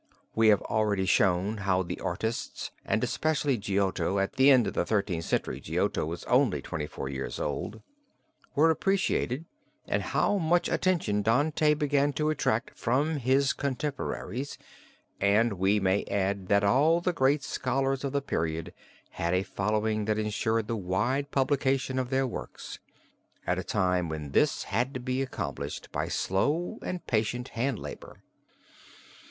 We have already shown how the artists, and especially Giotto, (at the end of the Thirteenth Century Giotto was only twenty four years old) were appreciated, and how much attention Dante began to attract from his contemporaries, and we may add that all the great scholars of the period had a following that insured the wide publication of their works, at a time when this had to be accomplished by slow and patient hand labor.